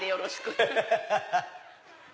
ハハハハ！